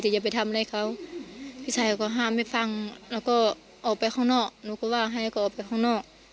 แต่อย่าไปทำอะไรเขาพี่ชายเขาก็ห้ามไม่ฟังหนูก็ว่าให้เขาออกไปข้างนอก